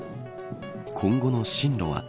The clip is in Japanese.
今後の進路は。